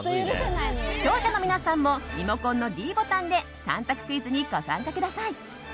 視聴者の皆さんもリモコンのｄボタンで３択クイズにご参加ください。